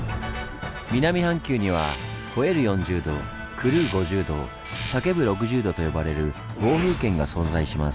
南半球には「吠える４０度」「狂う５０度」「叫ぶ６０度」と呼ばれる暴風圏が存在します。